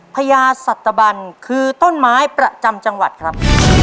พญาสัตบันคือต้นไม้ประจำจังหวัดครับ